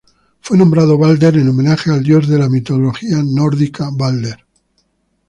Fue nombrado Balder en homenaje al dios de la mitología nórdica Balder.